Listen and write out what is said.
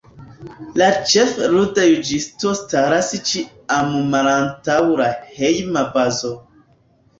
La ĉef-ludjuĝisto staras ĉiam malantaŭ la Hejma Bazo.